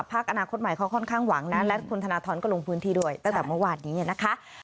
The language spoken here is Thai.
อนาคตใหม่เขาค่อนข้างหวังนะและคุณธนทรก็ลงพื้นที่ด้วยตั้งแต่เมื่อวานนี้นะคะ